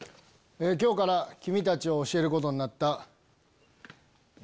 今日から君たちを教えることになった。